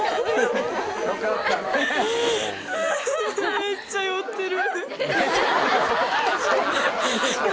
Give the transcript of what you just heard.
めっちゃ寄ってる。